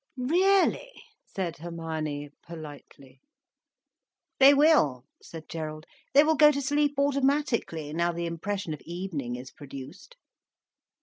"Really," said Hermione, politely. "They will," said Gerald. "They will go to sleep automatically, now the impression of evening is produced."